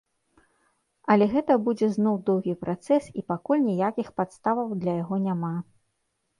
Але гэта будзе зноў доўгі працэс і пакуль ніякіх падставаў для яго няма.